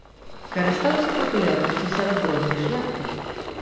Карыстаўся папулярнасцю сярод дробнай шляхты.